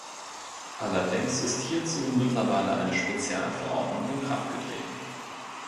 Allerdings ist hierzu mittlerweile eine Spezial-Verordnung in Kraft getreten.